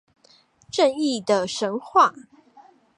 正義的神話